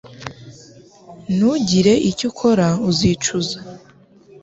Ntugire icyo ukora uzicuza